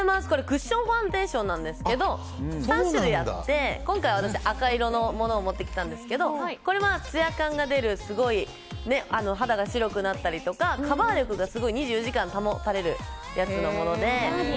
クッションファンデーションなんですけど３種類あって、今回、私は赤色のものを持ってきたんですがこれはツヤ感が出るすごい肌が白くなったりとかカバー力がすごい２４時間保たれるもので。